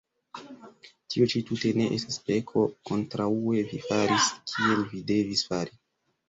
Tio ĉi tute ne estas peko; kontraŭe, vi faris, kiel vi devis fari.